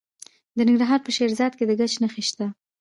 د ننګرهار په شیرزاد کې د ګچ نښې شته.